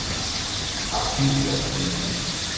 Archives de la famille.